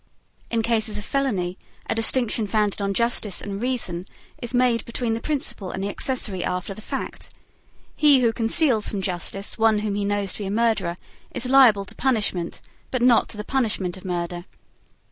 In cases of felony, a distinction founded on justice and reason, is made between the principal and the accessory after the fact. He who conceals from justice one whom he knows to be a murderer is liable to punishment, but not to the punishment of murder.